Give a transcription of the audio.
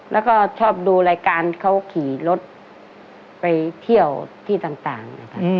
แล้วก็ชอบดูรายการเขาขี่รถไปเที่ยวที่ต่างนะคะ